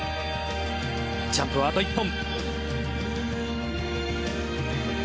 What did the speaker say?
ジャンプはあと１本。